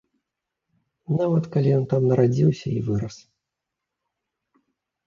Нават, калі ён там нарадзіўся і вырас.